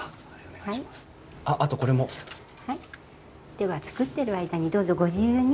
では作ってる間にどうぞご自由に。